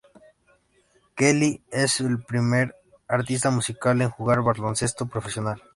Kelly es el primer artista musical en jugar baloncesto profesional.